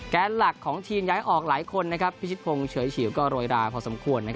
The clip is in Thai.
หลักของทีมย้ายออกหลายคนพิชิตพงศ์เฉยฉิวก็โรยราพอสมควร